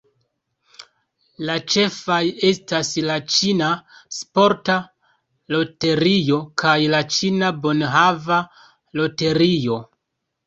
La ĉefaj estas la Ĉina Sporta Loterio kaj la Ĉina Bonhava Loterio.